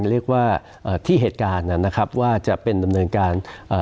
เรียกว่าเอ่อที่เหตุการณ์นะครับว่าจะเป็นดำเนินการเอ่อ